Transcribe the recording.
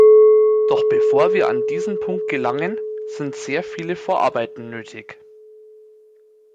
Doch bevor wir an diesen Punkt gelangen, sind sehr viele Vorarbeiten nötig.